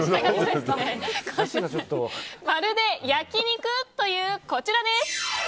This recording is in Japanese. まるで焼肉！？というこちら！